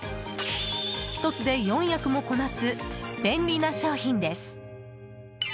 １つで４役もこなす便利な商品です。